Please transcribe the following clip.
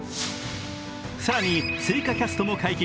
更に、追加キャストも解禁。